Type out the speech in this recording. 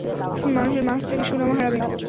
মানুষের মাঝ থেকে সুনাম হারাবেন।